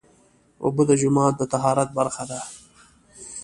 اوبه د جومات د طهارت برخه ده.